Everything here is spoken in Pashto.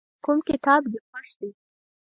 کوم کتاب دې خوښ دی.